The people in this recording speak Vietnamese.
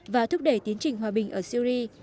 và thúc đẩy tiến trình hòa bình ở syri